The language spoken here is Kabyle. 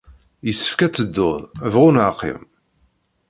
Yessefk ad tedduḍ, bɣu neɣ qqim.